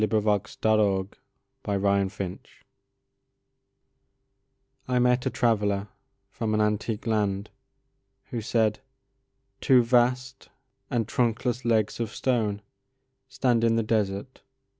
Ozymandias of Egypt I MET a traveller from an antique landWho said:—Two vast and trunkless legs of stoneStand in the desert.